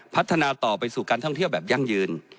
พัฒนาต่อไปสู่การท่องเที่ยวแบบยั่งยืน